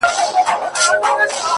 • هره شپه چي تېرېده ته مي لیدلې,